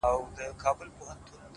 o گراني ټوله شپه مي،